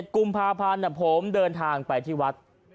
กุมภาพันธ์ผมเดินทางไปที่วัด